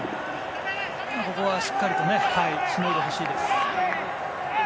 ここはしっかりとしのいでほしいです。